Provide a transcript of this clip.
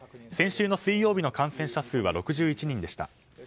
先週の水曜日の感染者数は６１人でした。